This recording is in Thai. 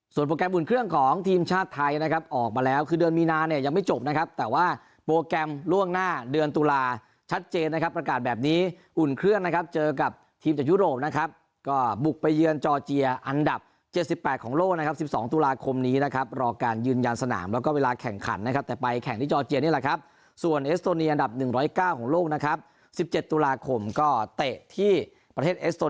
ส่วนโปรแกรมอุ่นเครื่องของทีมชาติไทยนะครับออกมาแล้วคือเดือนมีนาเนี่ยยังไม่จบนะครับแต่ว่าโปรแกรมล่วงหน้าเดือนตุลาชัดเจนนะครับประกาศแบบนี้อุ่นเครื่องนะครับเจอกับทีมจากยุโรปนะครับก็บุกไปเยือนจอร์เจียอันดับเจ็ดสิบแปดของโลกนะครับสิบสองตุลาคมนี้นะครับรอการยืนยานสนามแล้วก็เวลา